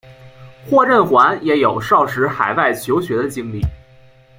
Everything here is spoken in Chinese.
霍震寰也有少时海外求学的经历。